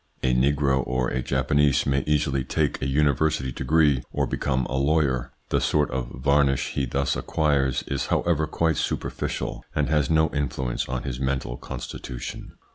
A negro or a Japanese may easily take a university degree or become a lawyer ; the sort of varnish he thus acquires is however quite superficial, and has no influence on his mental constitution.